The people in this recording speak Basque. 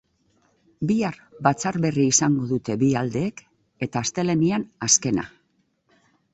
Bihar batzar berri izango dute bi aldeek eta astelehenean azkena.